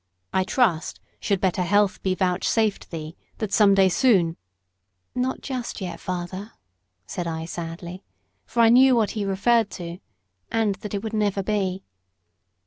I trust, should better health be vouchsafed thee, that some day soon " "Not just yet, father," said I, sadly for I knew what he referred to, and that it would never be.